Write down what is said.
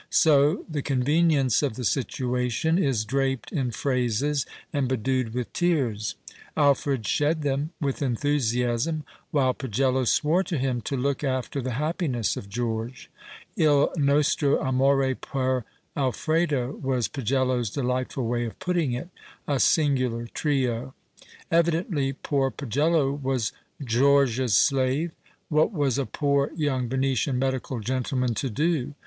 So the convenience of the situation is draped in phrases and bedewed with tears. Alfred shed tlurn with enthusiasm, while Pagello swore to him to look alter the happiness of George. " II nostro amore {)er Alfredo " was Pagello's delightful way of putting it. A singular trio ! Evidently poor Pagello was George's slave. \Vhat was a poor young Venetian medical gentleman to do